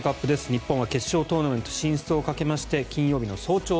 日本は決勝トーナメント進出をかけまして金曜日の早朝